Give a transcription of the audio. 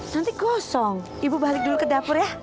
nanti gosong ibu balik dulu ke dapur ya